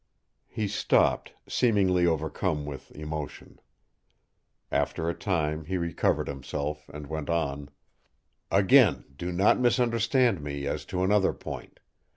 He stopped, seemingly overcome with emotion. After a time he recovered himself and went on: "Again, do not misunderstand me as to another point.